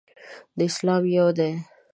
اسلام یو دی.